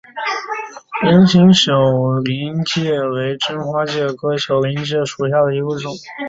菱形小林介为真花介科小林介属下的一个种。